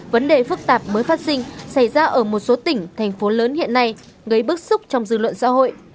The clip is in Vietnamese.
vấn đề phức tạp mới phát sinh xảy ra ở một số tỉnh thành phố lớn hiện nay gây bức xúc trong dư luận xã hội